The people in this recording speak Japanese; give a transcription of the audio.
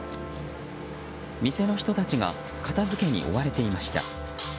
店の人たちが片付けに追われていました。